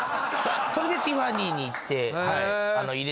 それでティファニーに行ってはい。